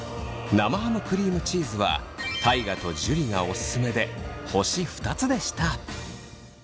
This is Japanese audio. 生ハムクリームチーズは大我と樹がオススメで星２つでした。